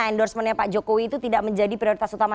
endorsementnya pak jokowi itu tidak menjadi prioritas utama